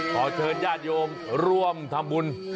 ขอเชิญญาติโยมร่วมทำบุญ